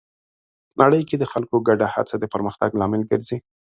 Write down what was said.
نړۍ کې د خلکو ګډه هڅه د پرمختګ لامل ګرځي.